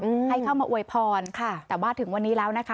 ให้เข้ามาอวยพรค่ะแต่ว่าถึงวันนี้แล้วนะคะ